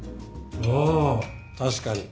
あ確かに。